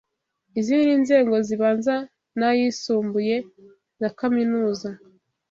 Izi ni inzego zibanza na y’isumbuye na kaminuza